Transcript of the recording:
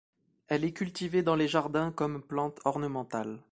Elle est cultivée dans les jardins comme plante ornementale.